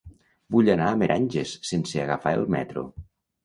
Vull anar a Meranges sense agafar el metro.